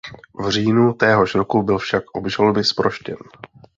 V říjnu téhož roku byl však obžaloby zproštěn.